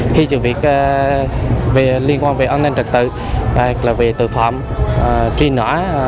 khi sự việc liên quan về an ninh trật tự là về tội phạm truy nã